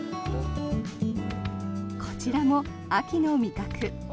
こちらも秋の味覚。